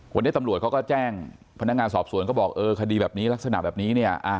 วันนี้ตำรวจเขาก็แจ้งพนักงานสอบสวนก็บอกเออคดีแบบนี้ลักษณะแบบนี้เนี่ย